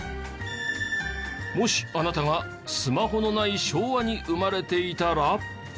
もしあなたがスマホのない昭和に生まれていたら？